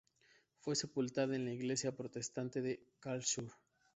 Fue sepultada en la iglesia protestante de Karlsruhe.